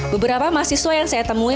beberapa mahasiswa yang saya temui